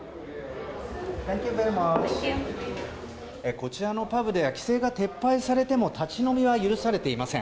こちらのパブでは規制が撤廃されても立ち飲みは許されていません。